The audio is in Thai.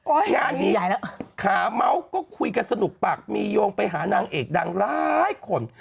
โอ๊ยอันนี้ขาเมาท์ก็คุยกับสนุกปากมีโยงไปหานางเอกดังร้ายคน